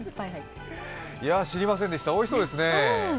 知りませんでした、おいしそうですね。